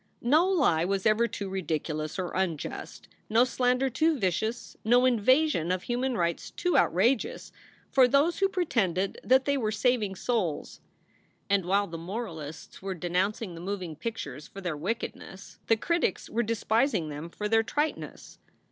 No lie was ever too ridiculous or unjust, no slander too vicious, no invasion of human rights too outrageous, for those who pretended that they were saving souls. And while the moralists were denouncing the moving pictures for their wickedness, the critics were despising them for their triteness.